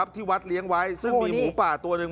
ที่วัดเลี้ยงไว้ซึ่งมีหมูป่าตัวหนึ่ง